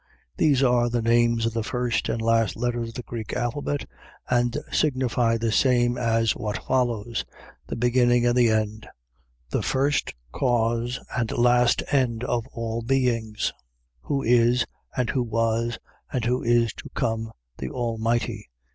. .These are the names of the first and last letters of the Greek alphabet, and signify the same as what follows: The beginning and the end: the first cause and last end of all beings: who is, and who was, and who is to come, the Almighty.